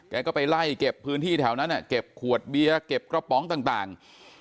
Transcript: แกก็ไปไล่เก็บพื้นที่แถวนั้นเก็บขวดเบียร์เก็บกระป๋องต่าง